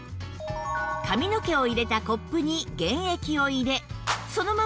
髪の毛を入れたコップに原液を入れそのままおよそ３分間放置